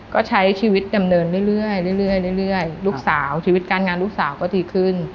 ก็ใช้ชีวิตดำเนินเรื่อยลูกสาวชีวิตการงานลูกสาวก็ดีขึ้น